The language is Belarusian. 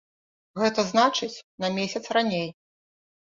Гэта значыць на месяц раней.